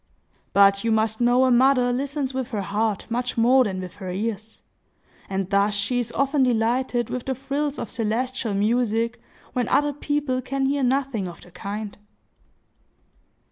But you must know a mother listens with her heart much more than with her ears; and thus she is often delighted with the trills of celestial music, when other people can hear nothing of the kind.